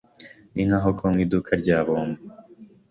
Ninkaho kuba mu iduka rya bombo.